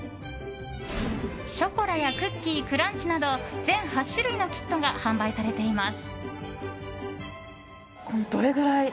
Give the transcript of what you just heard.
ショコラやクッキークランチなど全８種類のキットが販売されています。